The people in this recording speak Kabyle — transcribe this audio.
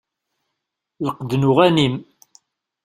Lqed n uɣanim.